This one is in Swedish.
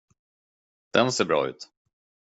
Den ser bra ut.